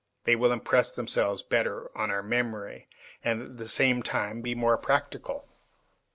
They will impress themselves better on our memory, and at the same time will be more practical.